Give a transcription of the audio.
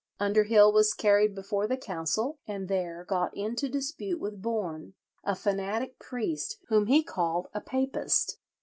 Underhill was carried before the Council, and there got into dispute with Bourne, a fanatic priest whom he called a papist.